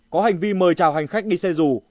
có hành vi mời chào hành khách đi xe dù